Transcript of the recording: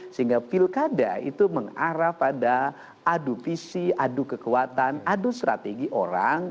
sehingga pilkada itu mengarah pada adu visi adu kekuatan adu strategi orang